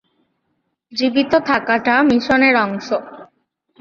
জীবিত থাকাটা মিশনের অংশ।